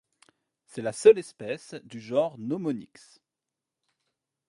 C'est la seule espèce du genre Nomonyx.